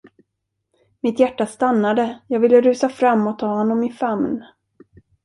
Mitt hjärta stannade, jag ville rusa fram och ta honom i famn.